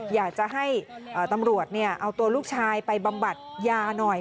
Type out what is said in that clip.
อยากจะให้ตำรวจเอาตัวลูกชายไปบำบัดยาหน่อย